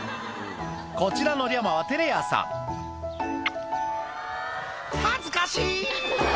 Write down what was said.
こちらのリャマは照れ屋さん「恥ずかしい！」